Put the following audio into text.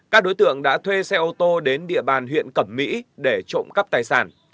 các đối tượng đã thuê xe ô tô đến địa bàn huyện cẩm mỹ để trộm cắp tài sản